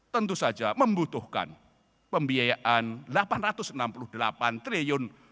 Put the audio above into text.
tentu saja membutuhkan pembiayaan rp delapan ratus enam puluh delapan triliun